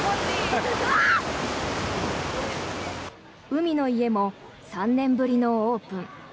海の家も３年ぶりのオープン。